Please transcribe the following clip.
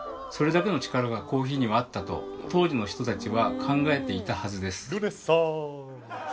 それだけの力がコーヒーにはあったと当時の人たちは考えていたはずです。